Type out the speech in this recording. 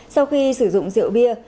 sau khi sử dụng rượu bia